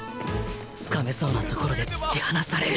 掴めそうなところで突き放される！